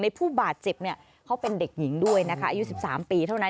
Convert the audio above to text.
ผู้บาดเจ็บเนี่ยเขาเป็นเด็กหญิงด้วยนะคะอายุ๑๓ปีเท่านั้น